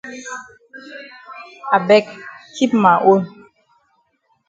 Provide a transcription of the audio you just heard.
I beg keep ma own.